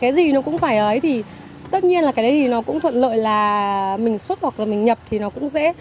cái gì nó cũng phải ấy thì tất nhiên là cái gì nó cũng thuận lợi là mình xuất hoặc là mình nhập thì nó cũng dễ